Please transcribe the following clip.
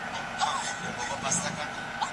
شريعت د افراط مخه نيسي.